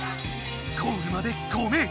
ゴールまで５ｍ。